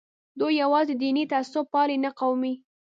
دوی یوازې دیني تعصب پالي نه قومي.